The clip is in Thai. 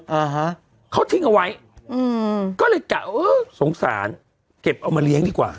อ่าฮะเขาทิ้งเอาไว้อืมก็เลยกะเออสงสารเก็บเอามาเลี้ยงดีกว่า